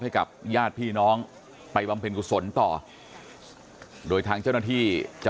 ให้กับญาติพี่น้องไปบำเพ็ญกุศลต่อโดยทางเจ้าหน้าที่จะ